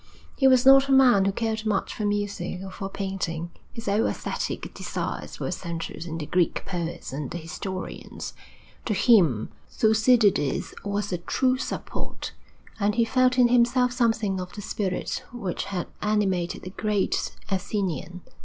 He was not a man who cared much for music or for painting; his whole æsthetic desires were centred in the Greek poets and the historians. To him Thucydides was a true support, and he felt in himself something of the spirit which had animated the great Athenian.